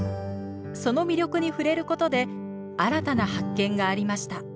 その魅力に触れることで新たな発見がありました。